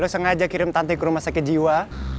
lo sengaja kirim tati ke rumah sakit jiwa